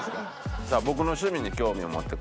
「僕の趣味に興味を持ってくれる人」。